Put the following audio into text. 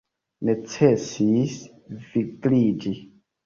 Necesis vigliĝi!